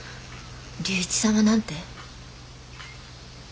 龍一さんは何て？